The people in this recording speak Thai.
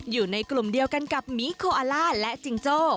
อยู่ในกลุ่มเดียวกันกับหมีโคอาล่าและจิงโจ้